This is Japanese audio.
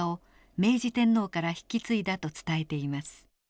明治天皇から引き継いだと伝えています。